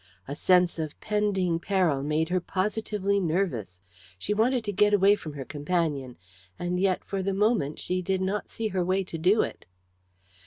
A sense of pending peril made her positively nervous; she wanted to get away from her companion, and yet for the moment she did not see her way to do it.